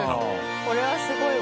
これはすごいわ。